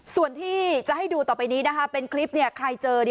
ส่วนที่จะให้ดูต่อไปนี้นะคะเป็นคลิปใครเจอ